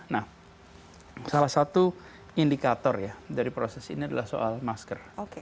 nah salah satu indikator dari proses ini adalah masker